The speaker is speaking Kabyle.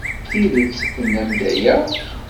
D tidet tennam-d aya?